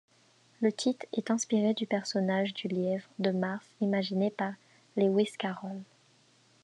Le titre est inspiré du personnage du Lièvre de mars imaginé par Lewis Carroll.